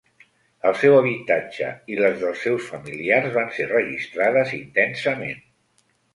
El seu habitatge i les dels seus familiars van ser registrades intensament.